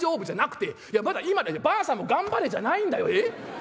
いやまだ今ねばあさんも頑張れじゃないんだよえっ。